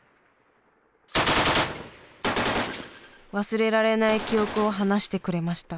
忘れられない記憶を話してくれました。